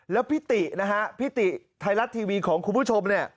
แล้วพี่ตินะฮะพี่ติไทยรัฐทีวีของคุณผู้ชมเนี่ย